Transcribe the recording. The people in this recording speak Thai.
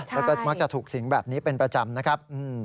แล้วก็มักจะถูกสิงแบบนี้เป็นประจำนะครับ